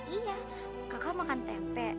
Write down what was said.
iya kakak makan tempe